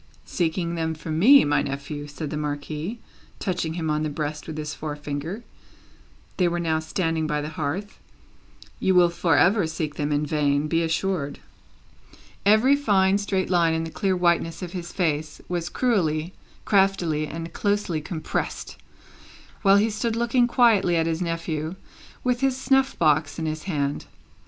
"Seeking them from me, my nephew," said the Marquis, touching him on the breast with his forefinger they were now standing by the hearth "you will for ever seek them in vain, be assured." Every fine straight line in the clear whiteness of his face, was cruelly, craftily, and closely compressed, while he stood looking quietly at his nephew, with his snuff box in his hand.